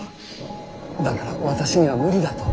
だから私には無理だと。